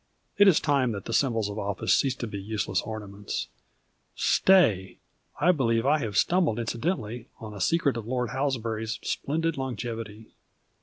It is time that the symbols of oflicc ceased to be useless ornaments. Stay ! I btlicxc I have stumbled incidentally on the secret of Lord Ilals bury's splendid longevity.